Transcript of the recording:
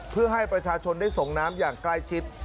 เพื่อให้ประชาชนได้ส่งน้ำอย่างใกล้ชิด